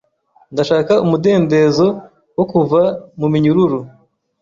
Ndashaka umudendezo wo kuva muminyururu